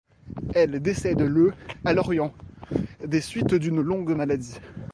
Elle décède le à Lorient, des suites d'une longue maladie.